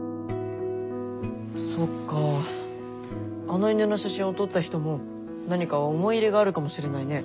あの犬の写真を撮った人も何か思い入れがあるかもしれないね。